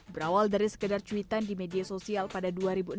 berawal dari sekedar cuitan di media sosial pada dua ribu enam belas